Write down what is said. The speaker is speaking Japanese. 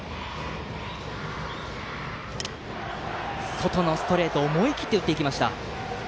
外のストレートを思い切って打っていきました。